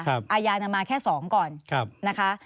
อาญามาแค่๒ก่อนนะคะ